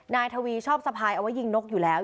นายทวีชอบสะพายเอาไว้ยิงนกอยู่แล้ว